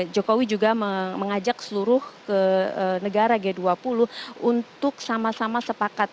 jokowi juga mengajak seluruh negara g dua puluh untuk sama sama sepakat